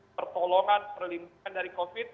pertolongan perlindungan dari covid sembilan belas